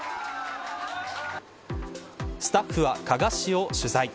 スタッフは加賀市を取材。